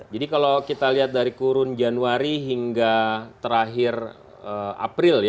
jadi kalau kita lihat dari kurun januari hingga terakhir april ya